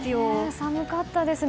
寒かったですね。